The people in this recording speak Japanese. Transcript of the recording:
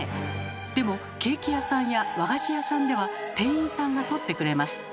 でもケーキ屋さんや和菓子屋さんでは店員さんが取ってくれます。